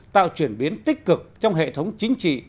tạo chuyển biến tích cực trong hệ thống chính trị